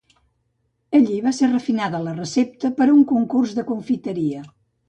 Allí va ser refinada la recepta per a un concurs de confiteria.